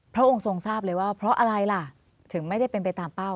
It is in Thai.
พระองค์ทรงทราบเลยว่าเพราะอะไรล่ะถึงไม่ได้เป็นไปตามเป้า